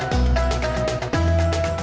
saya juga ngantuk